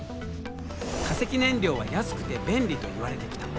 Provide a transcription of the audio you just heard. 化石燃料は安くて便利といわれてきた。